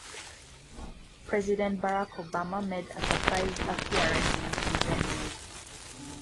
President Barack Obama made a surprise appearance at the event.